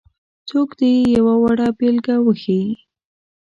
څوک دې یې یوه وړه بېلګه وښيي.